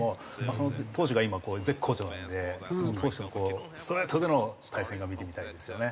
その投手が今絶好調なのでその投手とのストレートでの対戦が見てみたいですよね。